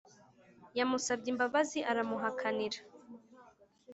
yamusabye imbabazi aramuhakanira